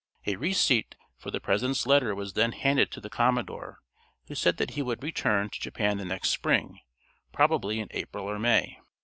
A receipt for the President's letter was then handed to the commodore, who said that he would return to Japan the next spring, probably in April or May.